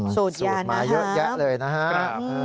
สูตรมาเยอะแยะเลยนะฮะ